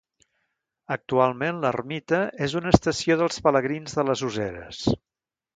Actualment, l'ermita és una estació dels Pelegrins de les Useres.